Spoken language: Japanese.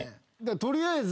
取りあえず。